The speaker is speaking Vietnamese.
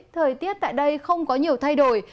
thời tiết tại đây không có nhiều thay đổi